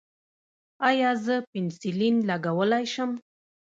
ایا زه پنسلین لګولی شم؟